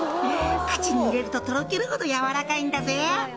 「口に入れるととろけるほど軟らかいんだぜ」